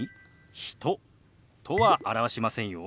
「人」とは表しませんよ。